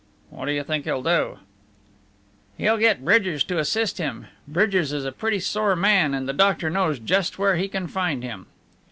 "What do you think he'll do?" "He'll get Bridgers to assist him. Bridgers is a pretty sore man, and the doctor knows just where he can find him."